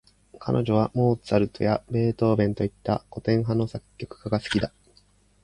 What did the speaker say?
彼女はモーツァルトやベートーヴェンといった、古典派の作曲家が好きだ。